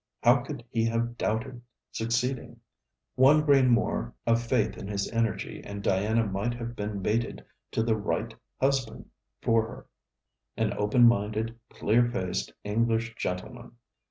How could he have doubted succeeding? One grain more of faith in his energy, and Diana might have been mated to the right husband for her an open minded clear faced English gentleman.